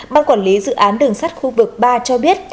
ban quản lý dự án đường sắt khu vực ba cho biết